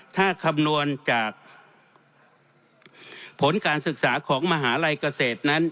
ถ้าคำนวณจากผลการศึกษาของมหาลัยเกษตรนั้น